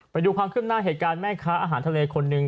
ไปดูความขึ้นหน้าเหตุการณ์แม่ค้าอาหารทะเลคนหนึ่ง